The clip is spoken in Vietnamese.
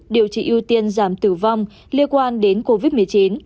điều trị ưu tiên giảm tử vong liên quan đến covid một mươi chín